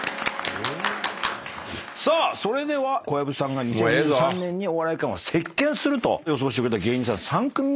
さあ小籔さんが２０２３年にお笑い界を席巻すると予想してくれた芸人さん３組目。